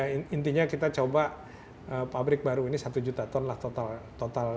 intinya kita coba pabrik baru ini satu juta ton lah total